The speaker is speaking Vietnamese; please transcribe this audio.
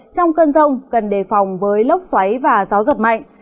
trong cơn rông cần đề phòng với lốc xoáy và gió giật mạnh